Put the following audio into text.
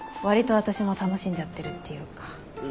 割と私も楽しんじゃってるっていうか。